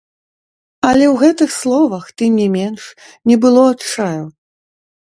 Але ў гэтых словах, тым не менш, не было адчаю.